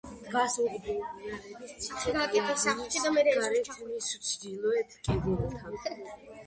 დგას ორბელიანების ციხე-გალავნის გარეთ, მის ჩრდილოეთ კედელთან.